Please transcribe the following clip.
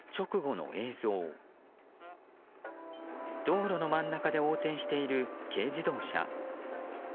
道路の真ん中で横転している軽自動車。